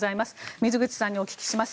水口さんにお聞きします。